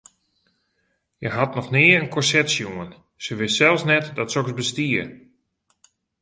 Hja hat noch nea in korset sjoen, se wist sels net dat soks bestie.